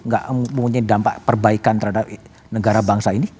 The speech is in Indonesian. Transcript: gak mempunyai dampak perbaikan terhadap negara bangsa ini